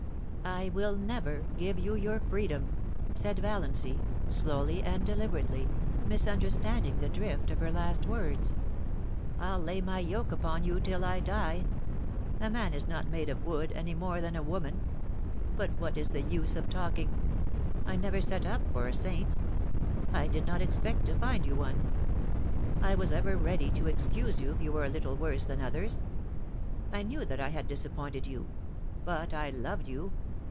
* I will never give you your freedom,' said Valiancy, slowly and deliberately, misunderstanding the drift of her last words. * I'll lay my yoke upon you till I die. A man is not made of wood any more than a woman. But what is the use of talking ? I never set up for a saint ; I did not expect to find you one ; I was ever ready to excuse yon if you were a little worse than others. I knew that I had disappointed you. But I loved you